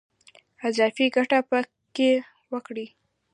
اضافي ګټه په کې وکړي.